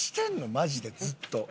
マジでずっと。